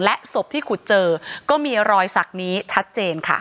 ศพที่ขุดเจอก็มีรอยสักนี้ชัดเจนค่ะ